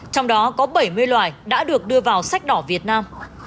trong đó có bảy mươi loài đã được đưa vào sách đỏ việt nam